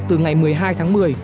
từ ngày một mươi hai tháng một mươi